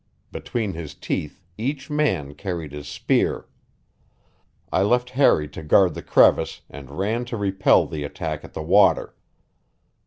Between his teeth each man carried his spear. I left Harry to guard the crevice, and ran to repel the attack at the water.